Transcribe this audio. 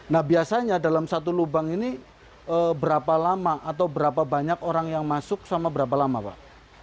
nah biasanya dalam satu lubang ini berapa lama atau berapa banyak orang yang masuk selama berapa lama pak